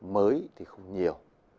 mới thì không nhiều